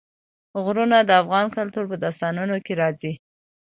غرونه د افغان کلتور په داستانونو کې راځي.